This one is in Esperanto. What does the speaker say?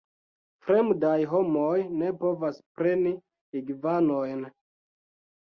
Fremdaj homoj ne povas preni igvanojn.